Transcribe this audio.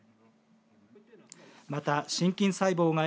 また、心筋細胞がえ